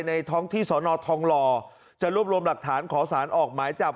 ท้องที่สอนอทองหล่อจะรวบรวมหลักฐานขอสารออกหมายจับ